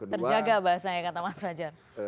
terjaga bahasanya kata mas fajar